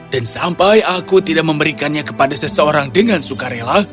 dan sampai aku tidak memberikannya kepada seseorang dengan sukarela